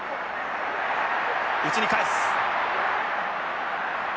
内に返す。